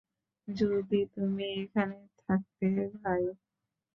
যদি তুমি এখানে থাকতে, ভাই।